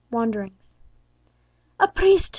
WANDERINGS. "A priest!